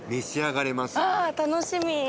ああ楽しみ！